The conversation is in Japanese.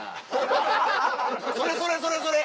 それそれそれそれ！